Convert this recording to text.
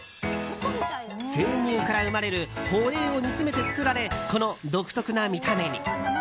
生乳から生まれるホエイを煮詰めて作られこの独特な見た目に。